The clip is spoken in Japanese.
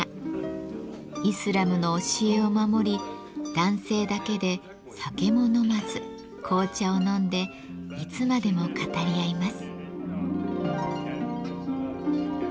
イスラムの教えを守り男性だけで酒も飲まず紅茶を飲んでいつまでも語り合います。